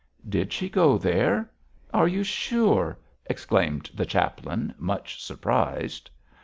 'Did she go there? are you sure?' exclaimed the chaplain, much surprised.